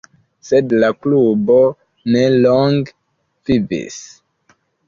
Sed la klubo ne longe vivis.